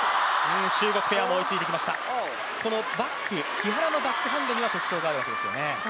木原のバックハンドには特徴があるわけですよね。